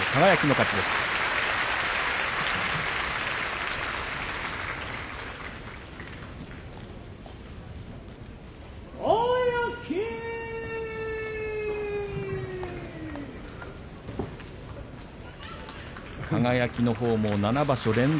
拍手輝のほうも７場所連続